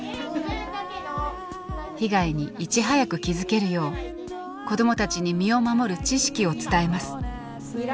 被害にいち早く気付けるよう子どもたちに身を守る知識を伝えます。